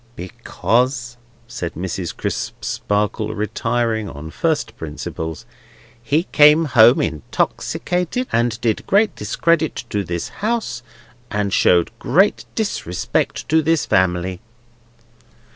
"Because," said Mrs. Crisparkle, retiring on first principles, "he came home intoxicated, and did great discredit to this house, and showed great disrespect to this family."